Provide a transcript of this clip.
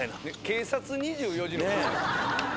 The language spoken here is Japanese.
「警察２４時」の。